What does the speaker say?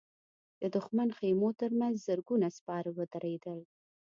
د دښمن د خيمو تر مخ زرګونه سپاره ودرېدل.